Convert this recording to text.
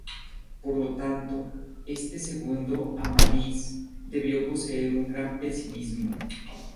Por lo tanto, este segundo "Amadís" debió poseer un gran pesimismo.